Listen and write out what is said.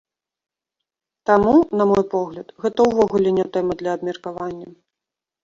Таму, на мой погляд, гэта ўвогуле не тэма для абмеркавання.